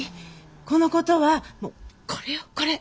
このことはこれよこれ。